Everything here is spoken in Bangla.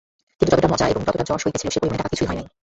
কিন্তু যতটা মজা এবং যতটা যশ হইতেছিল সে পরিমাণে টাকা কিছুই হয় নাই।